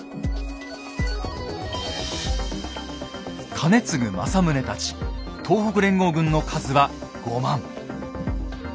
兼続・政宗たち東北連合軍の数は５万。